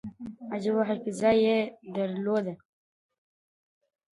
عجیبه حافظه یې درلوده.